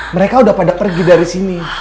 mereka udah pada pergi dari sini